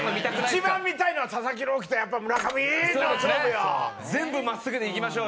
一番見たいのは佐々木朗希とやっぱ村上の勝負よ。